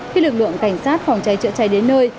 khi lực lượng cảnh sát phòng cháy chữa cháy đến nơi